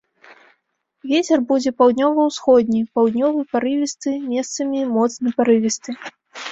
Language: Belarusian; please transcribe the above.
Вецер будзе паўднёва-ўсходні, паўднёвы парывісты, месцамі моцны парывісты.